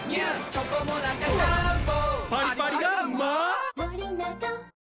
チョコモナカジャーンボパリパリがうまー！